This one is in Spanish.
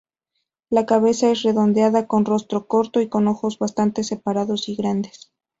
La cabeza es redondeada, con rostro corto y con ojos bastante separados y grandes.